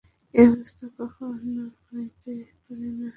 এ অবস্থা কখনও হইতে পারে না।